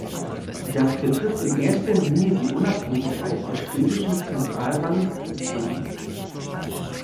Das betrifft in erster Linie die Unabhängigkeit der schwedischen Zentralbank Riksbanken.